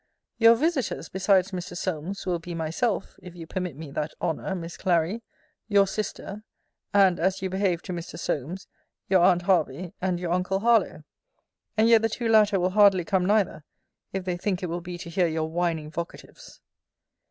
Your visiters, besides Mr. Solmes, will be myself, if you permit me that honour, Miss Clary; your sister; and, as you behave to Mr. Solmes, your aunt Hervey, and your uncle Harlowe; and yet the two latter will hardly come neither, if they think it will be to hear your whining vocatives.